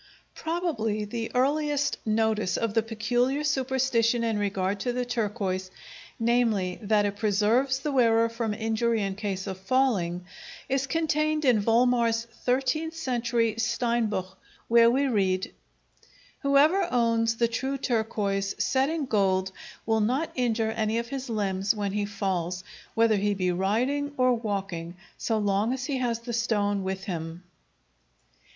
Probably the earliest notice of the peculiar superstition in regard to the turquoise—namely, that it preserves the wearer from injury in case of falling—is contained in Volmar's thirteenth century "Steinbuch," where we read: Whoever owns the true turquoise set in gold will not injure any of his limbs when he falls, whether he be riding or walking, so long as he has the stone with him.